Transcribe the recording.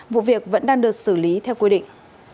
vụ việc vẫn đang được xử lý theo quy định